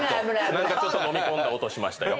ちょっとのみ込んだ音しましたよ。